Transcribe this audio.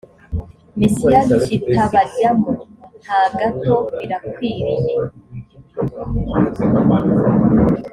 mesiya kitabajyamo na gato birakwiriye